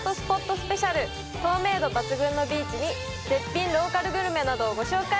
スペシャル透明度抜群のビーチに絶品ローカルグルメなどをご紹介！